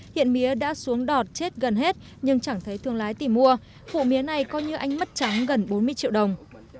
hiện mía đã xuống đọt chết gần hết nhưng chẳng thấy thương lái tìm mua phụ mía này coi như anh mất trắng gần bốn mươi triệu đồng